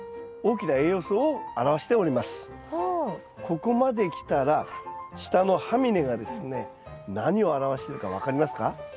ここまできたら下のハミネがですね何を表しているか分かりますか？